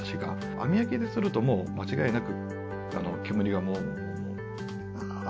網焼きにするともう間違いなく。